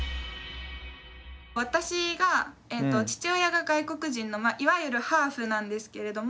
私が父親が外国人のいわゆるハーフなんですけれども。